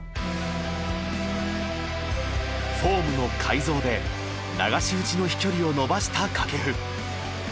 フォームの改造で流し打ちの飛距離を伸ばした掛布。